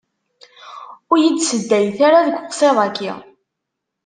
Ur yi-d-seddayet ara deg uqsiḍ-aki.